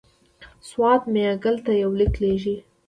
سوات میاګل ته یو لیک لېږلی.